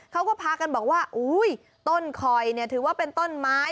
เขาก็พากันบอกว่าอุ้ยต้นคอยเนี่ยถือว่าเป็นต้นไม้